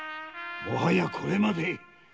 もはやこれまで。